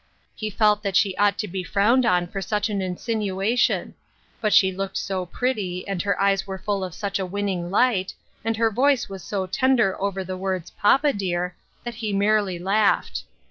He felt that she ought to be frowned on for such an insinuation ; but she looked so pretty, and her eyes were full of such a winning light, and her voice was so tender over the words " Papa dear," that he merely laughed.